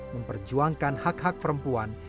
memperjuangkan hak hak perempuan